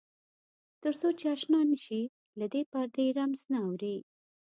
تر څو چې آشنا نه شې له دې پردې رمز نه اورې.